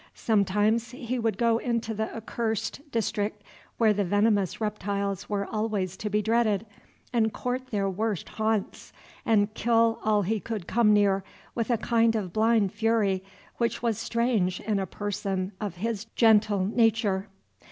Sometimes he would go into the accursed district where the venomous reptiles were always to be dreaded, and court their worst haunts, and kill all he could come near with a kind of blind fury which was strange in a person of his gentle nature.